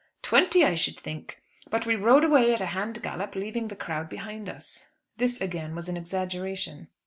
"Twenty, I should think. But we rode away at a hand gallop, leaving the crowd behind us." This again was an exaggeration.